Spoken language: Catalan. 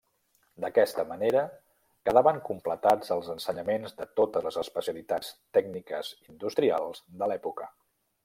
D’aquesta manera quedaven completats els ensenyaments de totes les especialitats tècniques industrials de l’època.